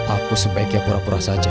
aku sebaiknya pura pura saja